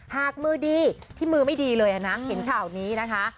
หากมือดีที่มือไม่ดีเลยนะเห็นข่าวนี้นะคะ